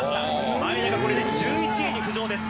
前田がこれで１１位に浮上です。